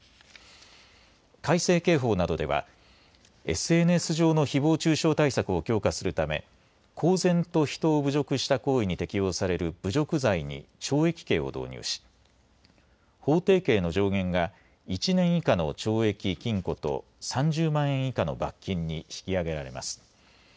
改正刑法などではＳＮＳ上のひぼう中傷対策を強化するため公然と人を侮辱した行為に適用される侮辱罪に懲役刑を導入し法定刑の上限が１年以下の懲役・禁錮と３０万円以下の罰金に引き上げられます。